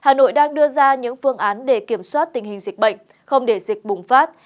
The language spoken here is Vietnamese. hà nội đang đưa ra những phương án để kiểm soát tình hình dịch bệnh không để dịch bùng phát